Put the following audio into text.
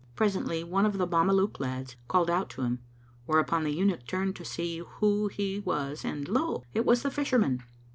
Presently, one of the Mameluke lads called out to him; whereupon the Eunuch turned to see who he was an lo! it was the Fisherman.